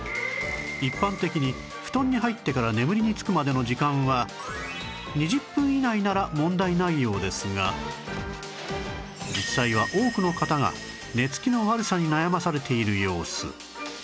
一般的に布団に入ってから眠りにつくまでの時間は２０分以内なら問題ないようですが実際は多くの方が寝つきの悪さに悩まされている様子